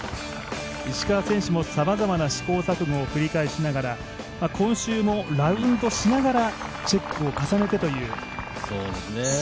石川選手もさまざまな試行錯誤を繰り返しながら今週もラウンドしながらチェックを重ねてという。